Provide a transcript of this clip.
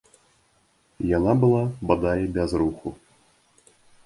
Яна была бадай без руху.